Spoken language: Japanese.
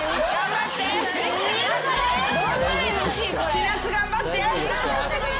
千夏頑張って！